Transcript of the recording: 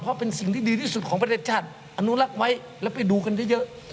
เพราะเป็นสิ่งที่ดีที่สุดของประเทศชาติอนุรักษ์ไว้แล้วไปดูกันเยอะ